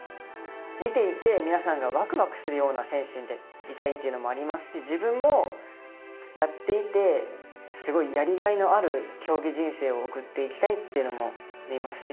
見ていて皆さんがわくわくするような選手でいたいというのもありますし自分もやっていてすごいやりがいのある競技人生を送っていきたいというのもありますし。